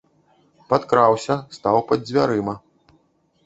Падкраўся, стаў пад дзвярыма.